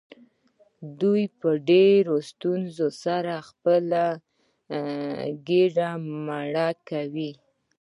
دوی په ډیرو ستونزو سره خپله ګیډه مړه کوي.